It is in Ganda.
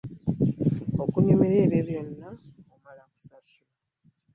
Okunyumirwa ebyo byonna omala kusasula.